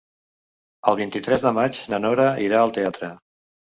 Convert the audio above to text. El vint-i-tres de maig na Nora irà al teatre.